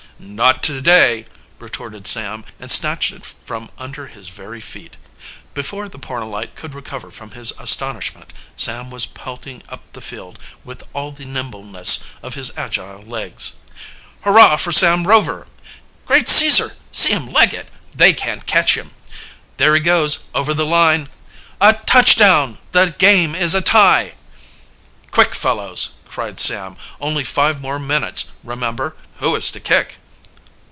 "Not today!" retorted Sam, and snatched it from under his very feet. Before the Pornellite could recover from his astonishment, Sam was pelting up the field with all the nimbleness of his agile legs. "Hurrah for Sam Rover!" "Great Caesar! see him leg it! They can't catch him!" "There he goes over the line!" "A touchdown! The game is a tie!" "Quick, fellows!" cried Sam. "Only five more minutes, remember. Who is to kick?"